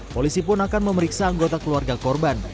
polisi pun akan memeriksa anggota keluarga korban